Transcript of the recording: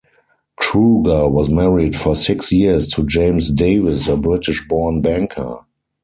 Kruger was married for six years to James Davies, a British-born banker.